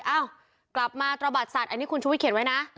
เอ้ากลับมาตระบัดสัตว์อันนี้คุณชุวิตเขียนไว้นะ